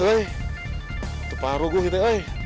itu paru gue